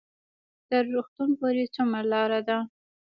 تر روغتون پورې څومره لار ده؟